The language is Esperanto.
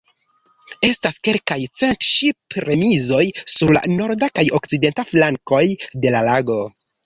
Estas kelkaj cent ŝip-remizoj sur la norda kaj okcidenta flankoj de la lago.